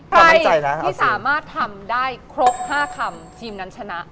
ใครที่สามารถทำได้ครบ๕คำทีมนั้นชนะ